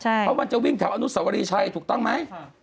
เพราะมันจะวิ่งแถวอนุสวรีชัยถูกต้องไหม